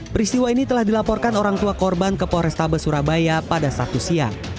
peristiwa ini telah dilaporkan orang tua korban ke polrestabes surabaya pada sabtu siang